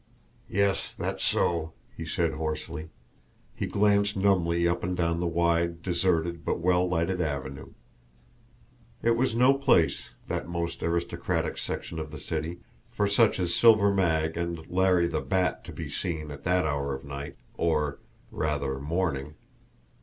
"Yes; that's so!" he said hoarsely. He glanced numbly up and down the wide, deserted, but well lighted, avenue. It was no place, that most aristocratic section of the city, for such as Silver Mag and Larry the Bat to be seen at that hour of night, or, rather, morning.